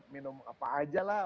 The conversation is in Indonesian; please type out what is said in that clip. minum apa aja lah